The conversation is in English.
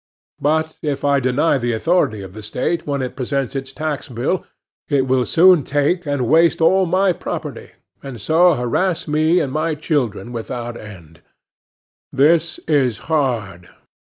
But, if I deny the authority of the State when it presents its tax bill, it will soon take and waste all my property, and so harass me and my children without end. This is hard.